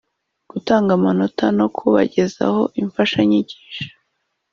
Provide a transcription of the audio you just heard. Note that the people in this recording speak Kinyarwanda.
gutanga amanota no kubagezaho imfashanyigisho